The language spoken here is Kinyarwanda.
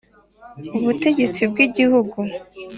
Ubutegetsi bw Igihugu